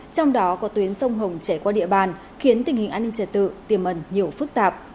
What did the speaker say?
trong đó có tuyến sông hồng chảy qua địa bàn khiến tình hình an ninh trật tự tiềm ẩn nhiều phức tạp